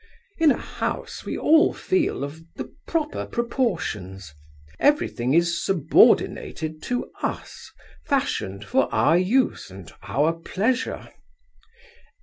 In a house we all feel of the proper proportions. Everything is subordinated to us, fashioned for our use and our pleasure.